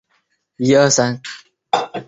徐以任之子。